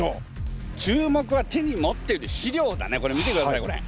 注目は手に持ってる資料だねこれ見てくださいよこれ。